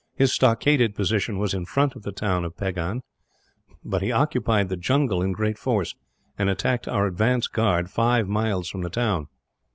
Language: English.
His stockaded position was in front of the town of Pagahn, but he occupied the jungle in great force, and attacked our advance guard, five miles from the town.